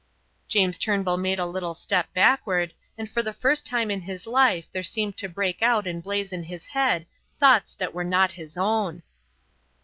James Turnbull made a little step backward, and for the first time in his life there seemed to break out and blaze in his head thoughts that were not his own.